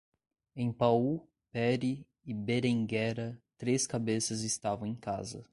Em Pau, Pere e Berenguera, três cabeças estavam em casa.